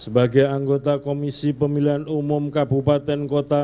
sebagai anggota komisi pemilihan umum kabupaten kota